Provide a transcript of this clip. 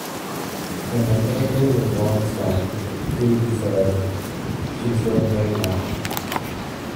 In an interview with Rolling Stone, Tweedy said "she's doing great now.